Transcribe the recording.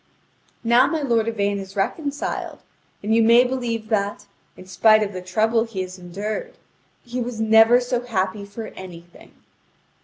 (Vv. 6799 6813.) Now my lord Yvain is reconciled, and you may believe that, in spite of the trouble he has endured, he was never so happy for anything.